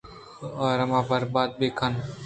آرام ءَ برباد بہ کن